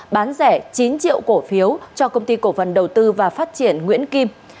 bán rẻ chín triệu cổ phiếu cho công ty cổ phần đầu tư và phát triển nguyễn kim